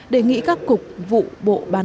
đề nghị các cục vụ bộ ban